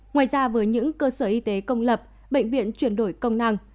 ngoài ra với những cơ sở y tế công lập bệnh viện chuyển đổi công năng